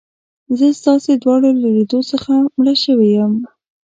زه ستاسي دواړو له لیدو څخه مړه شوې یم.